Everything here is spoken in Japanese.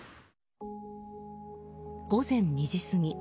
午前２時過ぎ。